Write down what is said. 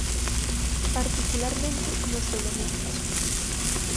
Particularmente nos Dolomitas.